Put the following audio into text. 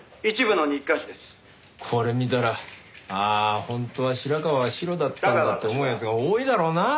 これ見たら「ああ本当は白河はシロだったんだ」って思う奴が多いだろうなあ。